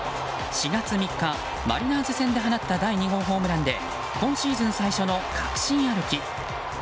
４月３日、マリナーズ戦で放った第２号ホームランで今シーズン最初の確信歩き。